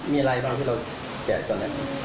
มีอะไรบ้างที่เราแจกตอนนั้น